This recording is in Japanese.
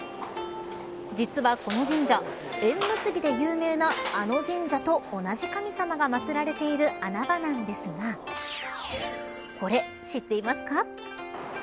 実はこの神社縁結びで有名なあの神社と同じ神様が祭られている穴場なんですがこれ知っていますか。